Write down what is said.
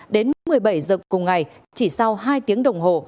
đến một mươi bảy giờ cùng ngày chỉ sau hai tiếng đồng hồ